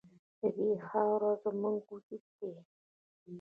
د دې خاوره زموږ وجود دی؟